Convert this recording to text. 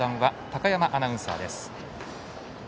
高山アナウンサーです。